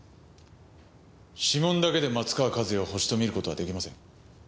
指紋だけで松川一弥を犯人と見る事は出来ません。